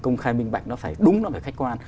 công khai minh bạch nó phải đúng nó phải khách quan